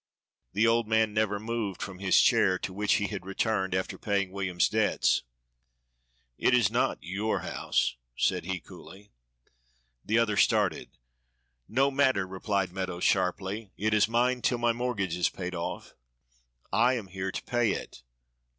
The old man never moved from his chair, to which he had returned after paying William's debts. "It is not your house," said he coolly. The other stared. "No matter," replied Meadows sharply, "it is mine till my mortgage is paid off." "I am here to pay it."